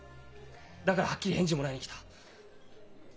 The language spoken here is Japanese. だからはっきり返事をもらいに来た。